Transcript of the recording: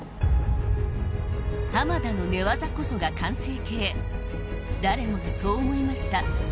濱田の寝技こそが完成形誰もがそう思いました。